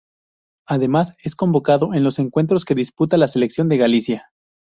Además, es convocado en los encuentros que disputa la Selección de Galicia.